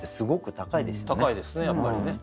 高いですねやっぱりね。